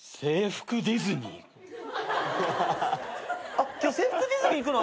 あっ今日制服ディズニー行くの？